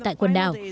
tại quần đảo